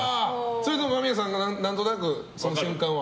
それででも間宮さんが何となくその瞬間は？